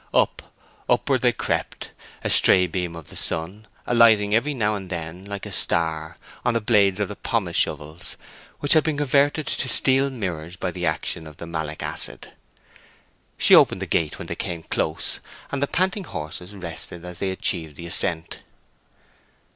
Up, upward they crept, a stray beam of the sun alighting every now and then like a star on the blades of the pomace shovels, which had been converted to steel mirrors by the action of the malic acid. She opened the gate when he came close, and the panting horses rested as they achieved the ascent.